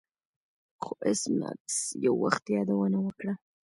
خو ایس میکس یو وخت یادونه وکړه